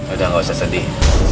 udah gak usah sedih